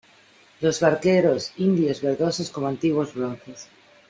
los barqueros indios, verdosos como antiguos bronces